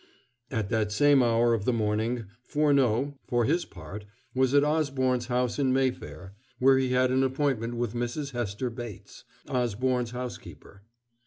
At that same hour of the morning Furneaux, for his part, was at Osborne's house in Mayfair, where he had an appointment with Mrs. Hester Bates, Osborne's housekeeper.